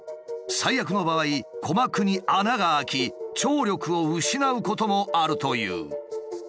最悪の場合鼓膜に穴が開き聴力を失うこともあるという。